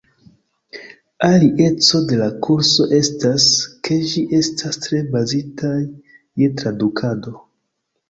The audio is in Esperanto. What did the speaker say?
Alia eco de la kurso estas, ke ĝi estas tre bazita je tradukado.